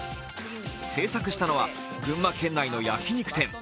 制作したのは群馬県内の焼き肉店。